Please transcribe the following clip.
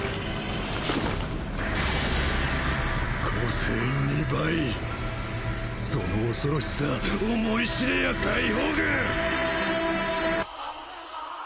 個性二倍その恐ろしさ思い知れや解放軍！